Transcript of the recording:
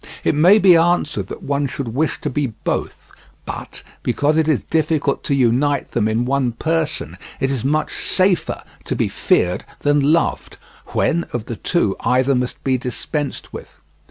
It may be answered that one should wish to be both, but, because it is difficult to unite them in one person, it is much safer to be feared than loved, when, of the two, either must be dispensed with.